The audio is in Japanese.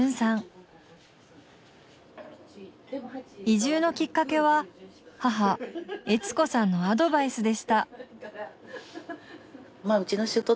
移住のきっかけは母悦子さんのアドバイスでした。